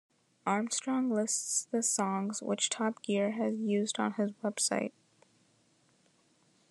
Armstrong lists the songs which "Top Gear" has used on his web site.